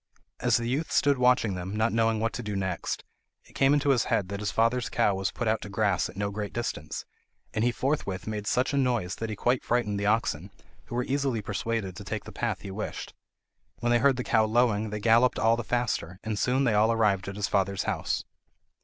As the youth stood watching them, not knowing what to do next, it came into his head that his father's cow was put out to grass at no great distance; and he forthwith made such a noise that he quite frightened the oxen, who were easily persuaded to take the path he wished. When they heard the cow lowing they galloped all the faster, and soon they all arrived at his father's house.